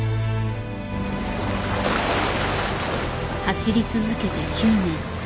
走り続けて９年。